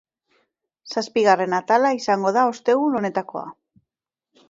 Zazpigarren atala izango da ostegun honetakoa.